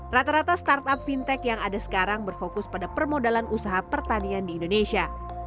rata rata startup fintech yang ada sekarang berfokus pada permodalan usaha pertanian di indonesia